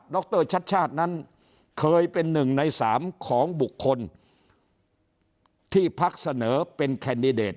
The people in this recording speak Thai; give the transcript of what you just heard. รชัดชาตินั้นเคยเป็นหนึ่งในสามของบุคคลที่พักเสนอเป็นแคนดิเดต